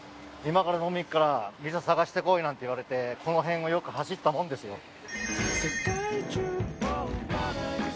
今から飲み行くから店探してこい」なんて言われてこの辺をよく走ったもんですよ。